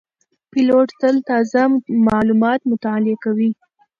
پیلوټ تل تازه معلومات مطالعه کوي.